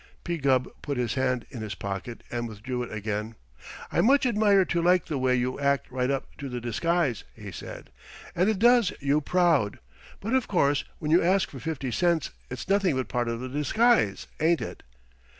P. Gubb put his hand in his pocket and withdrew it again. "I much admire to like the way you act right up to the disguise," he said, "and it does you proud, but of course when you ask for fifty cents it's nothing but part of the disguise, ain't it?"